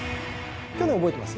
去年覚えてます？